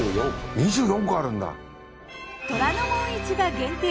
２４個あるんだ。